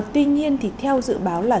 tuy nhiên thì theo dự báo là